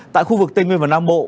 tại khu vực tây nguyên và nam bộ